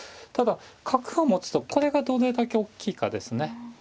ただ角を持つとこれがどれだけ大きいかですね。